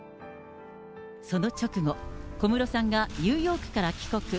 その直後、小室さんがニューヨークから帰国。